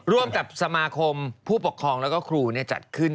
ร่วมกับสมาคมผู้ปกครองแล้วก็ครูจัดขึ้น